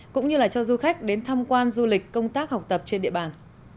cũng như là cho du khách đến tham quan du lịch công tác học tập trên địa bàn